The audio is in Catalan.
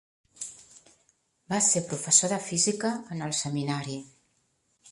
Va ser professor de física en el Seminari.